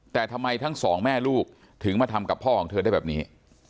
แต่ทำไมทั้งสองแม่ลูกถึงมาทำกับพ่อของเธอได้แบบนี้